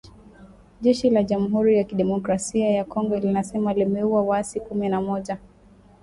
Jeshi la Jamhuri ya kidemocrasia ya Kongo linasema limeua waasi kumi na moja.